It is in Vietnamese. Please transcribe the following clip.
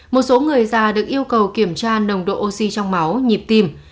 một số người già được yêu cầu kiểm tra nồng độ oxy trong máu nhịp tim